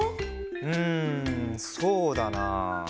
んそうだな。